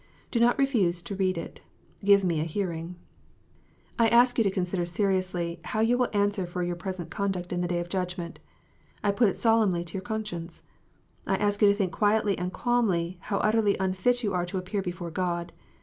Do not refuse to read it. Give me a hearing. I ask you to consider seriously, how you will answer for your present conduct in the day of judgment. I put it solemnly to your conscience. I ask you to think quietly and calmly, how utterly unfit you are to appear before God.